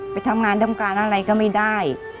ไปทำงานทำการอะไรก็ไม่ได้